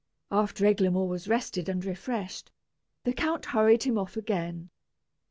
After Eglamour was rested and refreshed, the count hurried him off again.